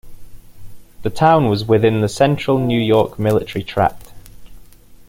The town was within the Central New York Military Tract.